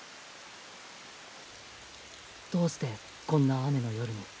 どうしてこんな雨の夜に？